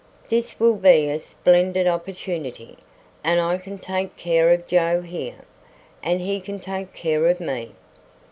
This will be a splendid opportunity; and I can take care of Joe here, and he can take care of me."